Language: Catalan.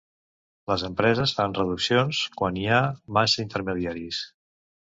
Les empreses fan reduccions quan hi ha massa intermediaris.